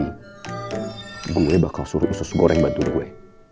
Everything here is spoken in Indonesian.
pemuli bakal suruh usus goreng bantu gue